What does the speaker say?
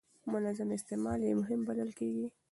منظم استعمال یې مهم بلل کېږي.